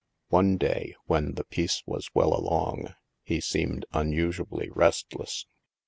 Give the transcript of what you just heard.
One day, when the piece was well along, he seemed unusually restless.